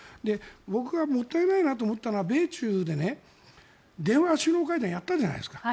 僕がもったいないなと思ったのが米中で電話首脳会談をやったじゃないですか。